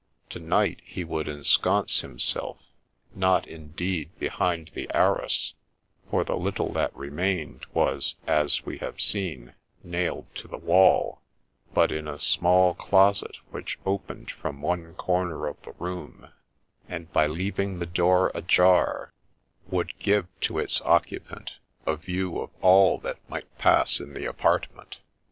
To night he would ' ensconce himself,' — not indeed ' be hind the arras,' — for the little that remained was, as we have seen, nailed to the wall, — but in a small closet which opened from one corner of the room, and, by leaving the door ajar, would give to its occupant a view of all that might pass in the 22 THE SPECTRE apartment.